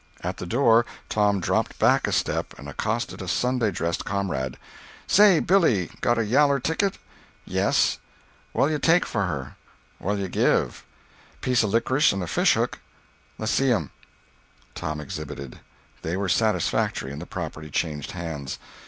At the door Tom dropped back a step and accosted a Sunday dressed comrade: "Say, Billy, got a yaller ticket?" "Yes." "What'll you take for her?" "What'll you give?" "Piece of lickrish and a fish hook." "Less see 'em." Tom exhibited. They were satisfactory, and the property changed hands.